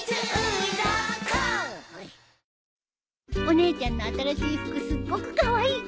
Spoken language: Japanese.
お姉ちゃんの新しい服すっごくカワイイ！